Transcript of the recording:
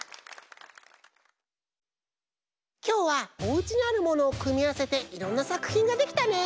きょうはおうちにあるものをくみあわせていろんなさくひんができたね。